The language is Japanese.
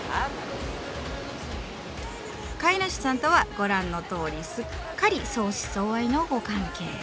飼い主さんとはご覧のとおりすっかり相思相愛のご関係。